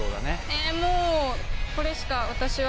えっもうこれしか私は。